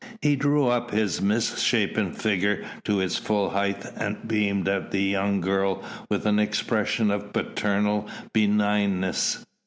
He drew up his misshapen figure to its full height and beamed at the young girl with an expression of paternal benignness.